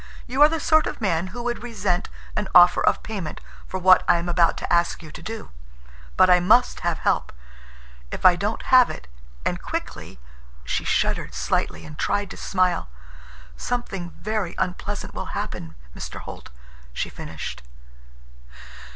"You are the sort of man who would resent an offer of payment for what I am about to ask you to do. But I must have help. If I don't have it, and quickly"—she shuddered slightly and tried to smile—"something very unpleasant will happen, Mr. Holt," she finished.